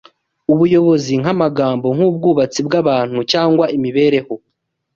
ubuyobozi nkamagambo nkubwubatsi bwabantu cyangwa imibereho